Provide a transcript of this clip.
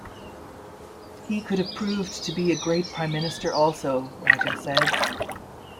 He could have proved to be a great prime minister also, Raja said.